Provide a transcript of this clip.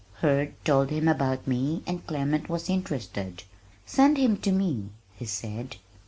Hurd told him about me and Clement was interested. "Send him to me," he said.